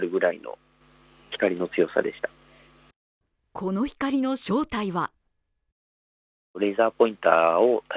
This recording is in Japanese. この光の正体は。